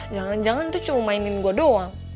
jangan jangan tuh cuma mainin gue doang